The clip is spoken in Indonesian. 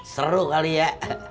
seru kali ya